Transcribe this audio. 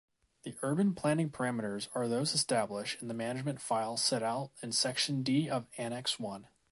The urban planning parameters are those established in the management file set out in section D of Annex I.